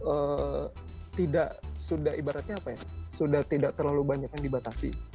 itu sudah tidak terlalu banyak yang dibatasi